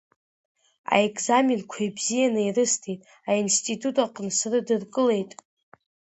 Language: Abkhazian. Аекзаменқәа ибзианы ирысҭеит, аинститут аҟны срыдыркы-леит.